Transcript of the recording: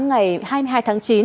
ngày hai mươi hai tháng chín